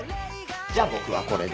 じゃあ僕はこれで。